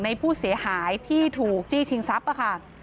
ในผู้เสียหายที่ถูกจี้ชิงทรัพย์ค่ะ